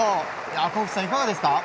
赤星さん、いかがですか？